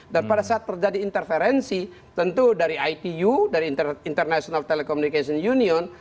dan pada saat terjadi interferensi tentu dari itu dari international telecommunication union